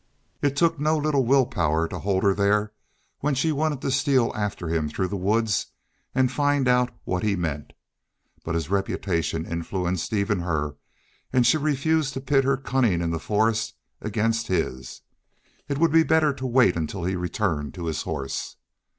It took no little will power to hold her there when she wanted to steal after him through the woods and find out what he meant. But his reputation influenced even her and she refused to pit her cunning in the forest against his. It would be better to wait until he returned to his horse.